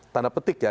tanda petik ya